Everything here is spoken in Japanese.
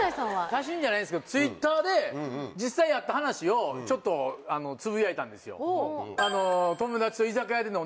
写真じゃないですけどＴｗｉｔｔｅｒで実際あった話をちょっとつぶやいたんですよ。